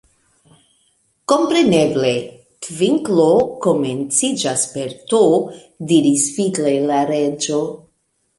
"Kompreneble 'tvinklo' komenciĝas per T" diris vigle la Reĝo.